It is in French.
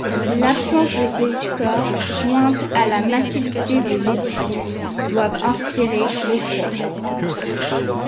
L'absence de décor jointe à la massivité de l'édifice doivent inspirer l’effroi.